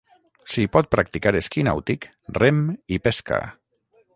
S'hi pot practicar esquí nàutic, rem i pesca.